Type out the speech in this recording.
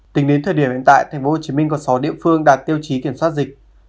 tính đến thời điểm hiện tại tp hcm có sáu địa phương đạt tiêu chí kiểm soát dịch